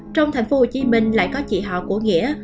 trong thành phố hồ chí minh lại có chị họ của nghĩa